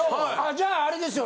じゃああれですよ